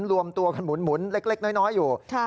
รวมตัวกันหมุนเล็กน้อยอยู่